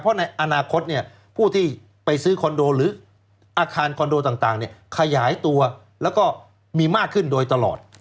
เพราะในอนาคตผู้ที่ไปซื้อคอนโดหรืออาคารคอนโดต่างขยายตัวแล้วก็มีมากขึ้นโดยตลอด